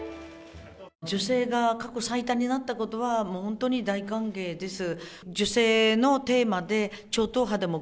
女性が過去最多になったことは本当に大歓迎です。